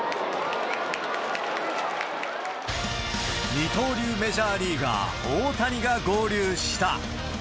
二刀流メジャーリーガー、大谷が合流した。